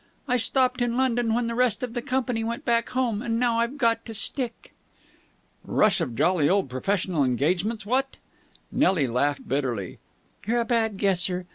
I stopped on in London when the rest of the company went back home, and now I've got to stick." "Rush of jolly old professional engagements, what?" Nelly laughed bitterly. "You're a bad guesser.